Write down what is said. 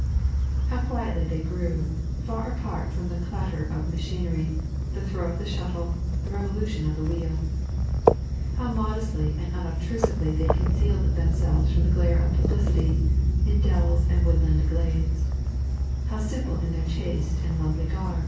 How quietly they grew, far apart from the clatter of machinery, the throw of the shuttle, the revolution of the wheel ! How modestly and unobtrusively they concealed themselves from the glare of publicity, in dells and woodland glades I How simple in their chaste and lovely garb t 3.